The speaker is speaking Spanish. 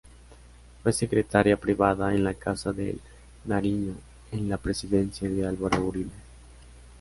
Fue secretaria privada en la Casa de Nariño en la presidencia de Álvaro Uribe.